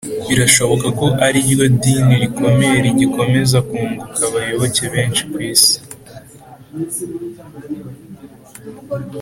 birashoboka ko ari ryo dini rikomeye rigikomeza kunguka abayoboke benshi ku isi,